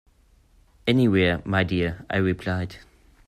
"Anywhere, my dear," I replied.